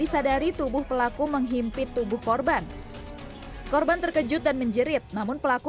sadari tubuh pelaku menghimpit tubuh korban korban terkejut dan menjerit namun pelaku